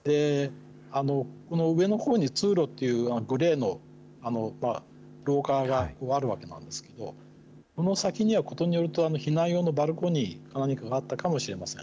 上のほうに通路っていう、グレーの廊下があるわけなんですけれども、その先には事によると、避難用のバルコニーか何かがあったかもしれません。